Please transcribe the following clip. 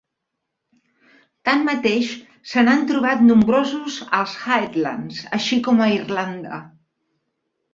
Tanmateix, se n'han trobat nombrosos als Highlands, així com a Irlanda.